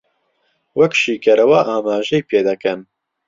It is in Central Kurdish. وەک شیکەرەوە ئاماژەی پێ دەکەن